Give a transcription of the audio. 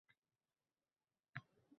Sharof Rashidov nega yo‘lini cho‘lga burdi?